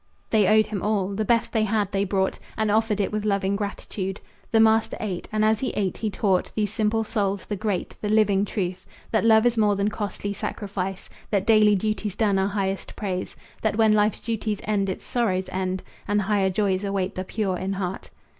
They owed him all. The best they had they brought, And offered it with loving gratitude. The master ate, and as he ate he taught These simple souls the great, the living truth That love is more than costly sacrifice; That daily duties done are highest praise; That when life's duties end its sorrows end, And higher joys await the pure in heart.